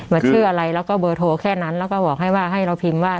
ว่าชื่ออะไรแล้วก็เบอร์โทรแค่นั้นแล้วก็บอกให้ว่าให้เราพิมพ์ว่า